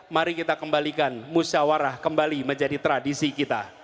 mari kita kembalikan musyawarah kembali menjadi tradisi kita